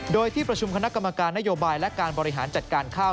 โดยที่ประชุมคณะกรรมการนโยบายและการบริหารจัดการข้าว